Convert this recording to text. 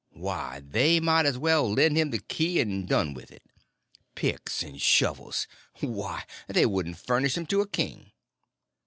Why, they might as well lend him the key and done with it. Picks and shovels—why, they wouldn't furnish 'em to a king."